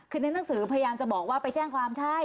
คือในหนังสือพยายามจะบอกว่าไปแจ้งความใช่